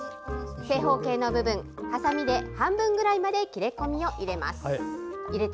正方形の部分はさみで半分ぐらいまで切れ込みを入れます。